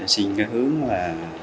xin hướng là